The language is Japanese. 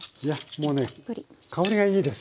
もうね香りがいいですよ。